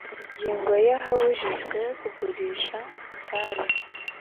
ingingo ya ahabujijwe kugurisha itabi